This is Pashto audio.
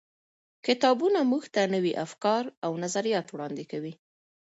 کتابونه موږ ته نوي افکار او نظریات وړاندې کوي.